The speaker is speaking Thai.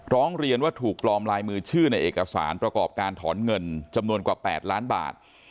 ร้องเรียนว่าถูกปลอมลายมือชื่อในเอกสารประกอบการถอนเงินจำนวนกว่า๘ล้านบาท